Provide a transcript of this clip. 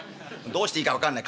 どうしていいか分かんない。